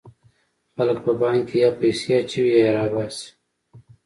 خلک په بانک کې یا پیسې اچوي یا یې را باسي.